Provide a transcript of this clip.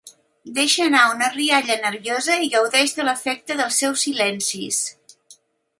Deixa anar una rialla nerviosa i gaudeix de l'efecte dels seus silencis.